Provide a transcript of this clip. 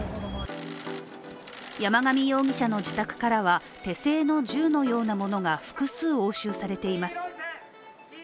山上容疑者の自宅からは、手製の銃のようなものが複数押収されています。